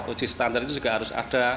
uji standar itu juga harus ada